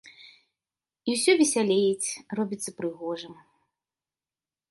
І ўсё весялеець, робіцца прыгожым.